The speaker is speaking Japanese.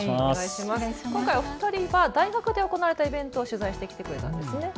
今回お二人は大学で行われたイベントを取材してきてくれたんですね。